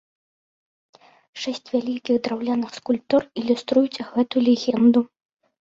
Шэсць вялікіх драўляных скульптур ілюструюць гэту легенду.